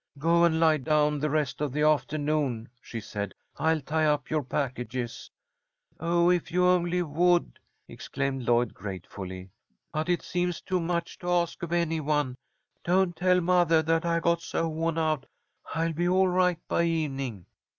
"Go and lie down the rest of the afternoon," she said. "I'll tie up your packages." "Oh, if you only would!" exclaimed Lloyd, gratefully. "But it seems too much to ask of any one. Don't tell mothah that I got so woh'n out. I'll be all right by evening."